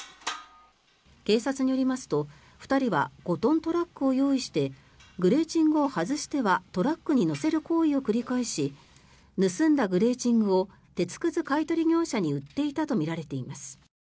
警察によりますと、２人は５トントラックを用意してグレーチングを外してはトラックに載せる行為を繰り返し盗んだグレーチングを鉄くず買い取り業者に売っていたとみられています。